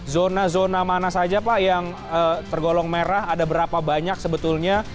zona zona mana saja pak yang tergolong merah ada berapa banyak sebetulnya